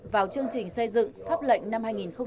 vào chương trình xây dựng pháp lệnh năm hai nghìn hai mươi